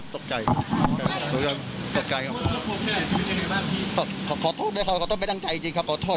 ทำไมเราถึงหลบหนีครับพี่